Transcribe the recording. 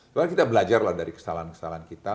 soalnya kita belajar lah dari kesalahan kesalahan kita